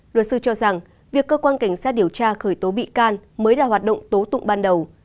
luật sư cho rằng việc cơ quan cảnh sát điều tra khởi tố bị can mới là hoạt động tố tụng ban đầu